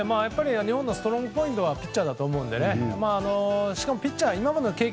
日本のストロングポイントはピッチャーだと思うのでしかも今までの経験